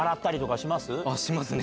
しますね。